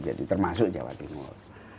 jadi termasuk jawa timur